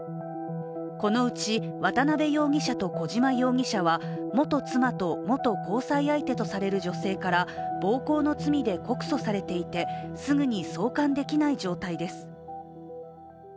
このうち渡辺容疑者と小島容疑者は元妻と、元交際相手とされる女性から暴行の罪で告訴されていてすぐに送還できない状態です。